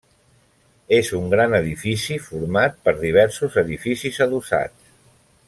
És un gran edifici format per diversos edificis adossats.